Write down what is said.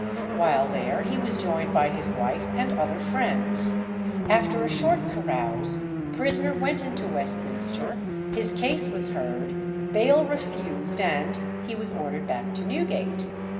While there he was joined by his wife and other friends. After a short carouse the prisoner went into Westminster, his case was heard, bail refused, and he was ordered back to Newgate.